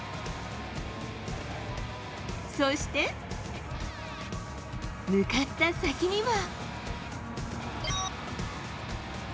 そして、向かった先には。